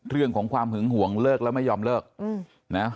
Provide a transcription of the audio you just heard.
เรื่องของความหื้นห่วงเลิกแล้วไม่ยอมเลิกอืมนะครับ